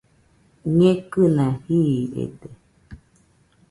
Ñekɨna jiiride